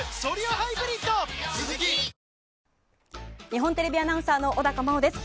日本テレビアナウンサーの小高茉緒です。